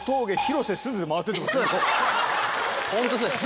ホントそうです。